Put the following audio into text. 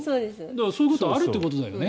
だからそういうことがあるということだよね。